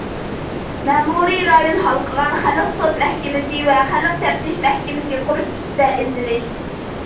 مەمۇرىي رايون ھالقىغان خەلق سوت مەھكىمىسى ۋە خەلق تەپتىش مەھكىمىسى قۇرۇش ئۈستىدە ئىزدىنىش.